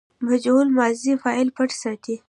مجهول ماضي فاعل پټ ساتي.